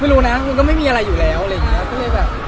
ไม่รู้นะมันก็ไม่มีอะไรอยู่แล้วอะไรอย่างนี้